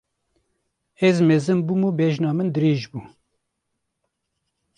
Ez mezin bûm û bejna min dirêj bû.